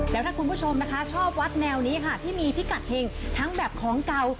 แล้วถ้าคุณผู้ชมนะคะชอบวัดแนวนี้ค่ะที่มีพิกัดเห็งทั้งแบบของเก่า